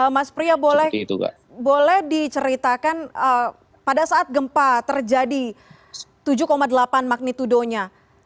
mas pria boleh diceritakan pada saat gempa terjadi tujuh delapan magnitudonya